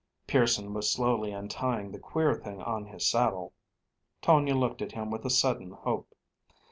Pearson was slowly untying the queer thing on his saddle. Tonia looked at him with a sudden hope.